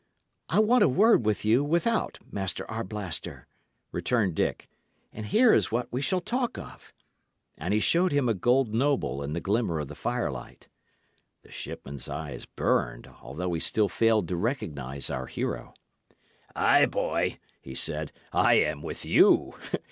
"I want a word with you without, Master Arblaster," returned Dick; "and here is what we shall talk of." And he showed him a gold noble in the glimmer of the firelight. The shipman's eyes burned, although he still failed to recognise our hero. "Ay, boy," he said, "I am with you.